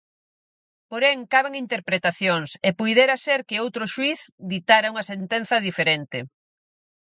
Porén, caben interpretacións, e puidera ser que outro xuíz ditara unha sentenza diferente.